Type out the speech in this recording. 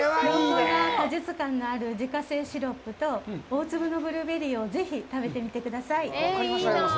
果実感のある自家製シロップと大粒のブルーベリーをぜひ食べてみてください。